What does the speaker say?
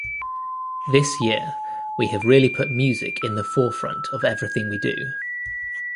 This year we have really put music in the forefront of everything we do.